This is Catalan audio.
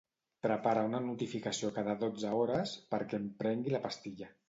Prepara una notificació cada dotze hores perquè em prengui la pastilla.